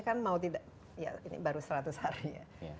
kan mau tidak ya ini baru seratus hari ya